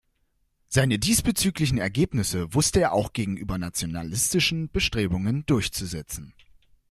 Seine diesbezüglichen Ergebnisse wusste er auch gegenüber nationalistischen Bestrebungen durchzusetzen.